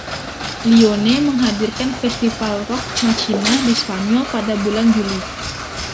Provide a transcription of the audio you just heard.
Lione menghadiri Festival Rock Machina di Spanyol pada bulan Juli.